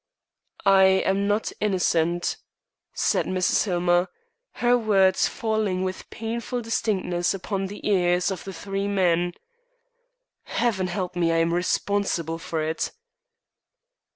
"I am not innocent," said Mrs. Hillmer, her words falling with painful distinctness upon the ears of the three men. "Heaven help me! I am responsible for it!"